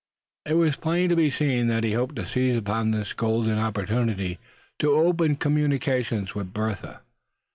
It was plain to be seen that he hoped to seize upon this golden opportunity to open communications with Bertha.